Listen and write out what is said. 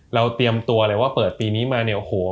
เราเตรียมตัวเลยว่าเปิดปีนี้มาเนี่ย